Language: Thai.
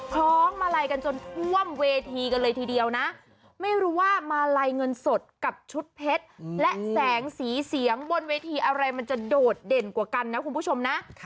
คล้องมาลัยกันจนท่วมเวทีกันเลยทีเดียวนะไม่รู้ว่ามาลัยเงินสดกับชุดเพชรและแสงสีเสียงบนเวทีอะไรมันจะโดดเด่นกว่ากันนะคุณผู้ชมนะ